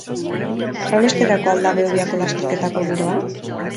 Horrenbesterako al da Behobiako lasterketako Giroa?